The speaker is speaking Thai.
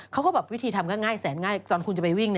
เขาก็บอกวิธีทำก็ง่ายตอนคุณจะไปวิ่ง